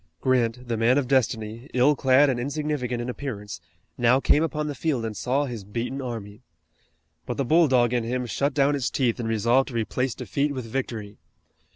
Grant, the man of destiny, ill clad and insignificant in appearance, now came upon the field and saw his beaten army. But the bulldog in him shut down its teeth and resolved to replace defeat with victory.